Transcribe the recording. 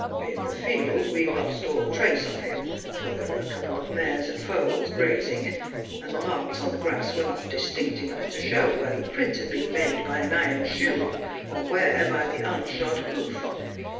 In the field we lost all trace of him, for there were a couple of mares and foals grazing, and the marks on the grass were not distinct enough to show where the print had been made by an iron shoe, or where by the unshod hoof.